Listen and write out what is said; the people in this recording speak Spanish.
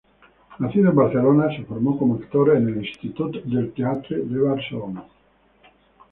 Nacido en Barcelona, se formó como actor en el Institut del Teatre de Barcelona.